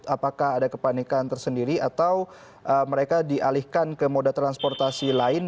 apakah ada kepanikan tersendiri atau mereka dialihkan ke moda transportasi lain